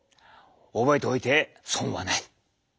覚えておいて損はない！